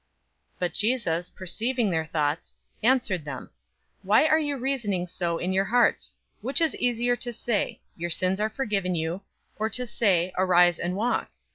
005:022 But Jesus, perceiving their thoughts, answered them, "Why are you reasoning so in your hearts? 005:023 Which is easier to say, 'Your sins are forgiven you;' or to say, 'Arise and walk?'